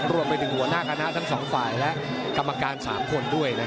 หัวหน้าคณะทั้งสองฝ่ายและกรรมการ๓คนด้วย